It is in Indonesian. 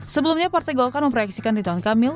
sebelumnya partai golkar memproyeksikan rituan kamil